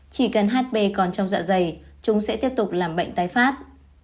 chỉ cần hb còn trong dạ dày chúng sẽ tiếp tục làm bệnh tái phát